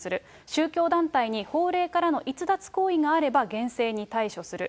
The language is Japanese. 宗教団体に法令からの逸脱行為があれば厳正に対処する。